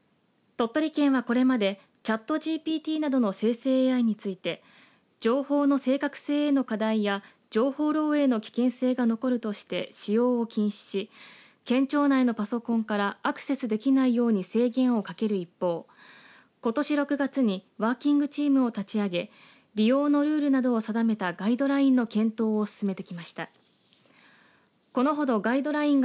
鳥取県はこれまでチャットＧＰＴなどの生成ＡＩについて情報の正確性への課題や情報漏えいの危険性が残るとして使用を禁止し県庁内のパソコンからアクセスできないように制限をかける一方ことし６月にワーキングチームを立ち上げ利用のルールなどを定めたガイドラインの検討を進めてきました。